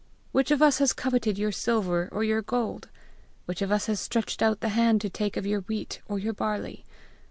Which of us has coveted your silver or your gold? Which of us has stretched out the hand to take of your wheat or your barley?